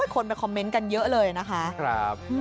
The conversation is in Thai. คนไปคอมเมนต์กันเยอะเลยนะคะ